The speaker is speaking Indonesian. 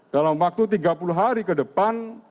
dalam waktu tiga puluh hari ke depan